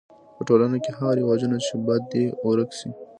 په ټولنه کی هغه رواجونه چي بد دي ورک سي.